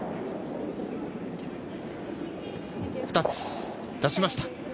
２つ出しました。